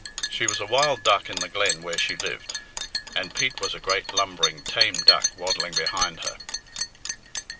She was a wild duck in the glen where she lived, and Pete was a great lumbering tame duck waddling behind her.